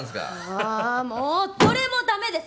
あぁもうどれもだめです！